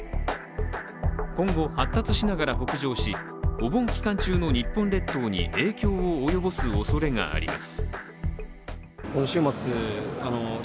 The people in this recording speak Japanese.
今後発達しながら北上し、お盆期間中の日本列島に影響を及ぼすおそれがあります。